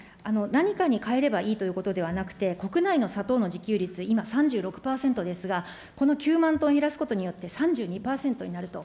何かに変えればいいということではなくて、国内の砂糖の自給率、今３６％ですが、この９万トン減らすことによって３２％になると。